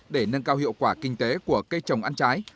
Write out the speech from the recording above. để nâng cao hiệu quả kinh tế của cây trồng ăn trái